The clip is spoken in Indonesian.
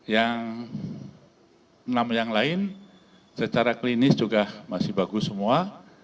yang enam yang lain secara klinis juga masih bagus semua